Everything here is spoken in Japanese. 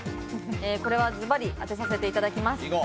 これはズバリ当てさせていただきます。